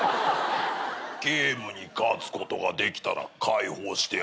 ゲームに勝つことができたら解放してやろう。